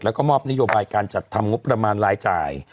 แล้วก็มอบนโยบายการจัดทำงบประมาณรายจ่าย